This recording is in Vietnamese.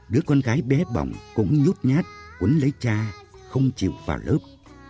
đứa con gái bé bỏng cũng nhút nhát quấn lấy cha không chịu vào lớp